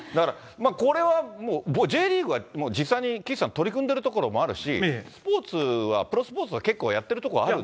これは、Ｊリーグはもう実際に岸さん、取り組んでるところもあるし、スポーツは、プロスポーツは結構やってる所あるんで。